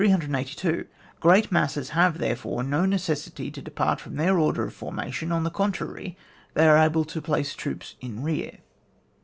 Qreat masses have, therefore, no necessity to depart from their order of formation, on the contrary, they are able to place troops in rear.